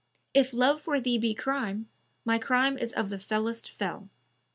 If love for thee * Be crime, my crime is of the fellest fell.